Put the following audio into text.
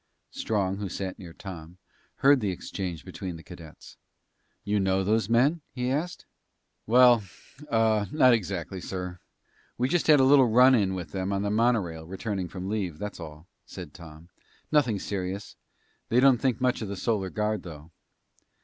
Strong, who sat near Tom, heard the exchange between the cadets. "You know those men?" he asked. "Well uh not exactly, sir. We just had a little run in with them on the monorail returning from leave, that's all," said Tom. "Nothing serious. They don't think much of the Solar Guard, though."